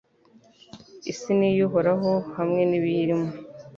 Isi ni iy’Uhoraho hamwe n’ibiyirimo